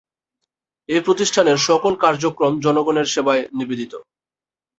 এ প্রতিষ্ঠানের সকল কার্যক্রম জনগণের সেবায় নিবেদিত।